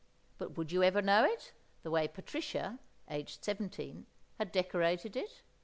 But would you ever know it, the way Patricia (aged seventeen) had decorated it?